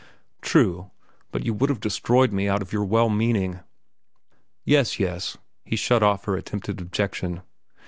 "True; but you would have destroyed me out of your well meaning." "Yes, yes," he shut off her attempted objection.